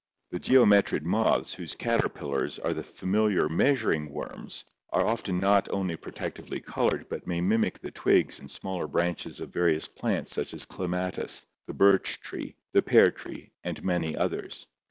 The geometrid moths, whose caterpillars (see Fig. 32) are the familiar measuring worms, are often not only protectively colored but may mimic the twigs and smaller branches of various plants such as clematis, the birch tree, the pear tree, and many others.